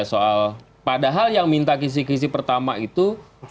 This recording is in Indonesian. soal padahal yang minta kisi kisi pertama itu